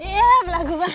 yelah pelagu banget